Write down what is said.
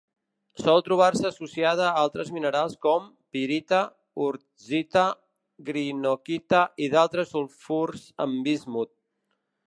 Sol trobar-se associada a altres minerals com: pirita, wurtzita, greenockita i d'altres sulfurs amb bismut.